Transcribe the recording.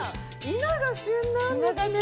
今が旬なんですね。